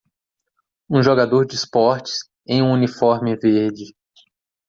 Um jogador de esportes em um uniforme verde.